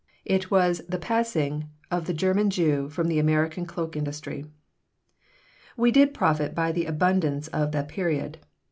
It was the passing of the German Jew from the American cloak industry We did profit by the abundance of the period.